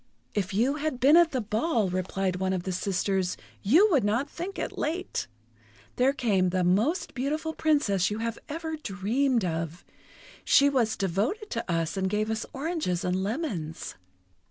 "If you had been at the ball," replied one of the sisters, "you would not think it late! There came the most beautiful Princess you have ever dreamed of. She was devoted to us, and gave us oranges and lemons."